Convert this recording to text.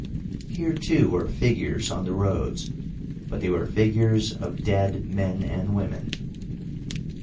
Here, too, were figures on the roads. But they were figures of dead men and women.